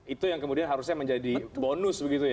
itu yang kemudian harusnya menjadi bonus